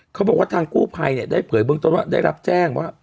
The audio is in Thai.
เขาบอกว่าทางกู้ภัยเนี่ยได้เผยเบื้องต้นว่าได้รับแจ้งว่า